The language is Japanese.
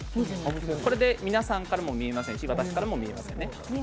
これで皆さんからも見えませんし私からも見えませんね。